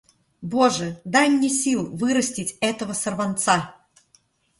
Боже, дай мне сил вырастить этого сорванца!